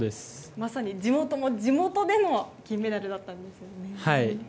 まさに地元の地元での金メダルだったんですよね。